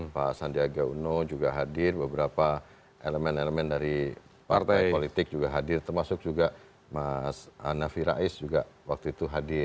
pak sandiaga uno juga hadir beberapa elemen elemen dari partai politik juga hadir termasuk juga mas anafi rais juga waktu itu hadir